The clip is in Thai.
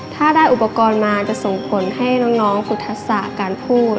ถ้าได้อุปกรณ์มาจะส่งผลให้น้องพุทธศาสตร์การพูด